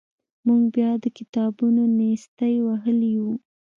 موږ بیا د کتابونو نیستۍ وهلي وو.